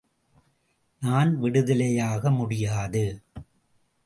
நான் விடுதலையாக முடியாது.